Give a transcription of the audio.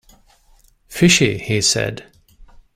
"Fishy," he said.